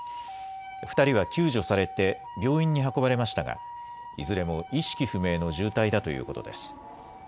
２人は救助されて病院に運ばれましたがいずれも意識不明の重体だということです。